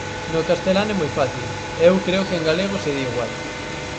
No castelán é moi fácil, e eu creo que en galego se di igual.